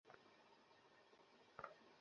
আমি জানি না রে, ভাই!